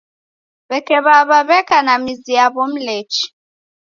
W'eke w'aw'a w'eka na mizi yaw'o Mlechi.